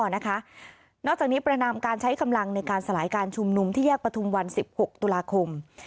นอกจากนี้ประนามการใช้กำลังในการสลายการชุมนุมที่แยกประทุมวัน๑๖ตุลาคม